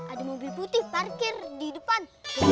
ada mobil putih parkir di depan